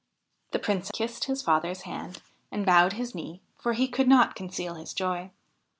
The Prince kissed his father's hand and bowed his knee, for he could not conceal his joy.